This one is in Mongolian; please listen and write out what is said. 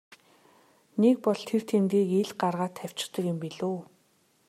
Нэг бол тэр тэмдгийг ил гаргаад тавьчихдаг юм билүү.